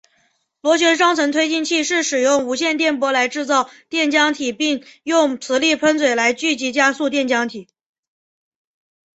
螺旋双层推进器是使用无线电波来制造电浆体并用磁力喷嘴来聚集加速电浆体。